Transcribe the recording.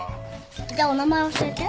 じゃお名前教えて。